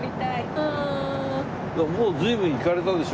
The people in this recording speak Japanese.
でももう随分行かれたでしょ？